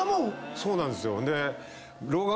そうなんですよ。